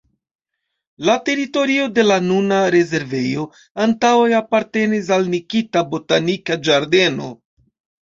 La teritorio de la nuna rezervejo antaŭe apartenis al Nikita botanika ĝardeno.